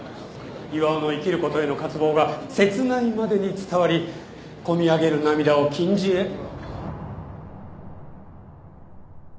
巌の生きることへの渇望が切ないまでに伝わり込み上げる涙を禁じ得。